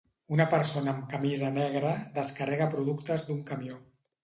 Una persona amb camisa negra descarrega productes d'un camió